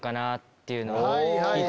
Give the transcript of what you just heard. っていうのを。